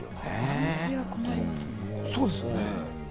断水は困りますね。